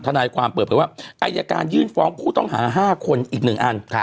ทนายความเปลือกก่อนว่าอายการยื่นฟ้องผู้ต้องหา๕คนอีกหนึ่งอัน